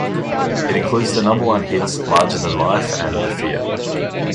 It includes the number-one hits: "Larger Than Life" and "The Fear".